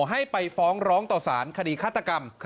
ให้ไปฟ้องร้องต่อสารคดีฆาตกรรม